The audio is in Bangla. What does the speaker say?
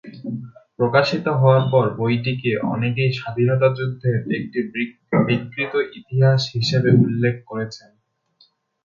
প্রকাশিত হওয়ার পর বইটিকে অনেকেই স্বাধীনতা যুদ্ধের একটি বিকৃত ইতিহাস হিসাবে উল্লেখ করেছেন।